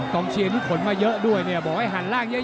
ต้องเชียงผลมาเยอะด้วยเนี่ยบอกให้หันล่างเยอะ